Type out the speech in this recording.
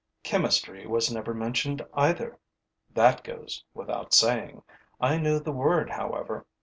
Chemistry was never mentioned either: that goes without saying. I knew the word, however.